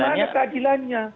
di mana keadilannya